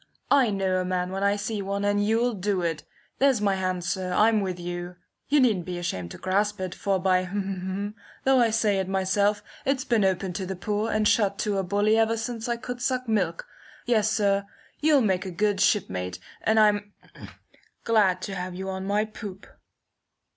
"I know a man when I see one, and you'll do it. There's my hand, sir! I'm with you! You needn't be ashamed to grasp it, for by , though I say it myself, it's been open to the poor and shut to a bully ever since I could suck milk. Yes, sir, you'll make a good ship mate, and I'm glad to have you on my poop."